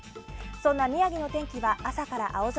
そんな宮城の天気は朝から青空。